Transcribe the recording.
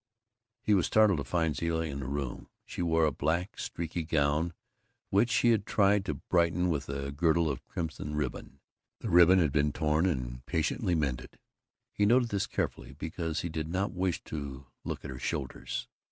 He was startled to find Zilla in the room. She wore a black streaky gown which she had tried to brighten with a girdle of crimson ribbon. The ribbon had been torn and patiently mended. He noted this carefully, because he did not wish to look at her shoulders.